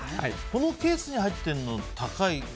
このケースに入っているの高い。